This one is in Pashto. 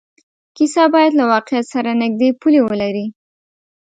کیسه باید له واقعیت سره نږدې پولې ولري.